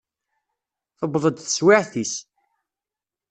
Tewweḍ-d teswiɛt-is.